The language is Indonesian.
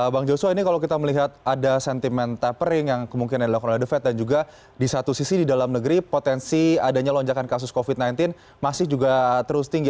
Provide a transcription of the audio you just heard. bang joshua ini kalau kita melihat ada sentiment tapering yang kemungkinan dilakukan oleh the fed dan juga di satu sisi di dalam negeri potensi adanya lonjakan kasus covid sembilan belas masih juga terus tinggi